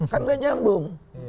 kan gak nyambung